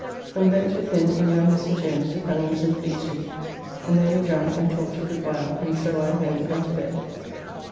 From thence with him and young Mr. Jones to Penell's in Fleet Street, and there we drank and talked a good while, and so I home and to bed.